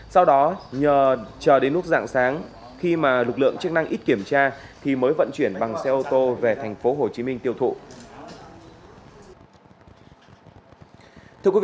sau đó nhờ chờ đến lúc dạng sáng khi lực lượng chức năng ít kiểm tra mới vận chuyển bằng xe ô tô về thành phố hồ chí minh tiêu thụ